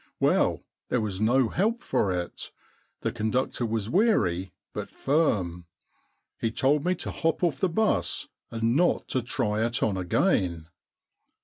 Well, there was no help for it. The conductor was weary, but firm. He told me to hop off the bus and not to try it on again.